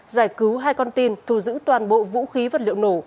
giải cứu hai con tin thu giữ toàn bộ vũ khí vật liệu nổ